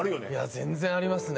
全然ありますね。